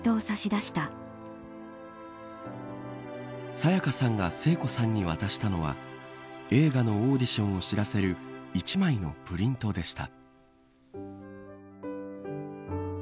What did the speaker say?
沙也加さんが聖子さんに渡したのは映画のオーディションを知らせる１枚のプリントでした。